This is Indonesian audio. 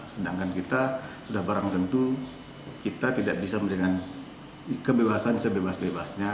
sedangkan kita sudah barang tentu kita tidak bisa memberikan kebebasan sebebas bebasnya